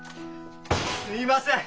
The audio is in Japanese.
すみません！